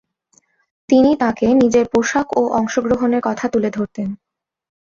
তিনি তাকে নিজের পোশাক ও অংশগ্রহণের কথা তুলে ধরতেন।